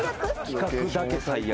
企画だけ最悪。